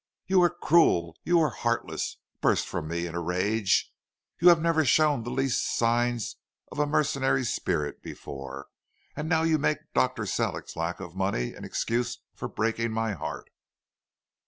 "'You are cruel; you are heartless,' burst from me in a rage. 'You never have shown the least signs of a mercenary spirit before, and now you make Dr. Sellick's lack of money an excuse for breaking my heart.'